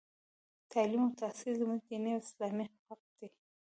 تـعلـيم او تحـصيل زمـوږ دينـي او اسـلامي حـق دى.